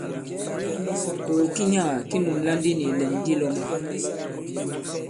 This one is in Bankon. Kògò ki nyaga ki nùmblà ndi nì ìlɛ̀n di lɔ̄mā.